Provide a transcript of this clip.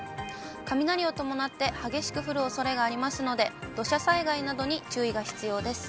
雷を伴って激しく降るおそれがありますので、土砂災害などに注意が必要です。